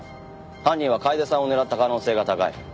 犯人は楓さんを狙った可能性が高い。